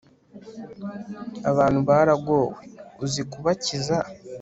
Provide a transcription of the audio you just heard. abantu baragowe, uze kubakiza